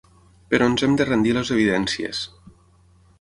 Però ens hem de rendir a les evidències.